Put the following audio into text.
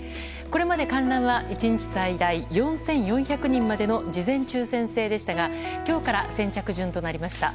これまで、観覧は１日最大４４００人までの事前抽選制でしたが今日から先着順となりました。